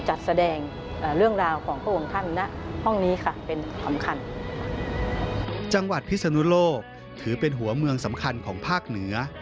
จังหวัดพิษณุโลกถือเป็นหัวเมืองสำคัญของภาคเหนือ